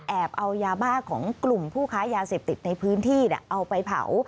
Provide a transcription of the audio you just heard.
เอายาบ้าของกลุ่มผู้ค้ายาเสพติดในพื้นที่เอาไปเผา